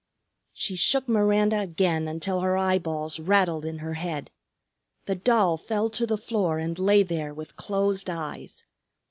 She shook Miranda again until her eyeballs rattled in her head. The doll fell to the floor and lay there with closed eyes.